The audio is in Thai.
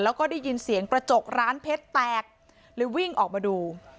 แล้วก็ได้ยินเสียงกระจกร้านเพชรแตกเลยวิ่งออกมาดู